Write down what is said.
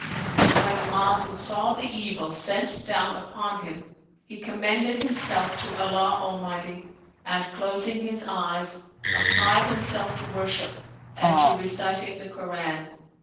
When the Moslem saw the evil sent down upon him, he commended himself to Allah Almighty and closing his eyes, applied himself to worship and to reciting the Koran.